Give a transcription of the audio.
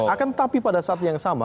akan tetapi pada saat yang sama